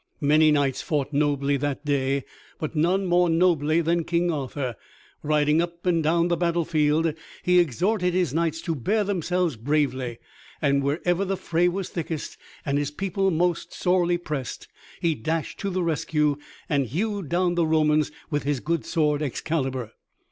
Many knights fought nobly that day, but none more nobly than King Arthur. Riding up and down the battle field, he exhorted his knights to bear themselves bravely; and wherever the fray was thickest, and his people most sorely pressed, he dashed to the rescue and hewed down the Romans with his good sword Excalibur.